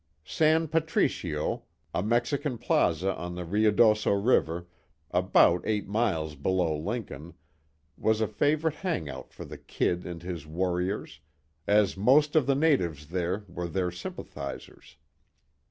San Patricio, a Mexican plaza on the Ruidoso river, about eight miles below Lincoln, was a favorite hangout for the "Kid" and his "warriors," as most of the natives there were their sympathizers.